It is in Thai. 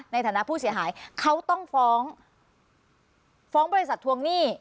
ในฐานะผู้เสียหายเขาต้องฟ้องฟ้องบริษัททวงหนี้